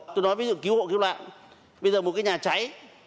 tôi nói ví dụ cứu hộ cứu nạn bây giờ một cái nhà cháy